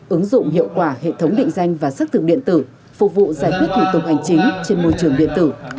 ứng dụng hiệu quả hệ thống định danh và xác thực điện tử phục vụ giải quyết thủ tục hành chính trên môi trường điện tử